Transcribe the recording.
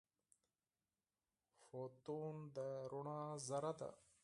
فوتون د رڼا ذره ده.